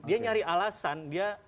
dia nyari alasan dia